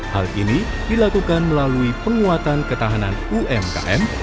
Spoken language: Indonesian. hal ini dilakukan melalui penguatan ketahanan umkm